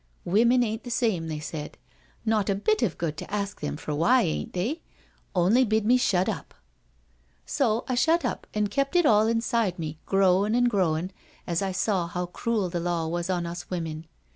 ' Women ain't the same/ they said. Not a bit of good to ask them for why ain't they? — only bid me shut up. So I shut up an' kept it all inside me, growin' an* growin' as I saw how cruel the law was on us women.